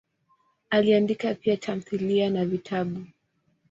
Aliandika pia tamthilia na vitabu.